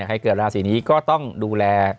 เกิดราศีนี้ก็ต้องดูแล